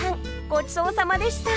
ごちそうさまでした！